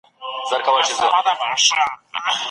که په ښوونځي کې مینه وي، نو ماشوم زړونه به سره وصل سي.